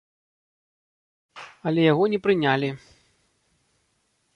Але яго не прынялі.